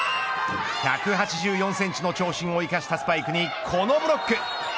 １８４センチの長身を生かしたスパイクにこのブロック。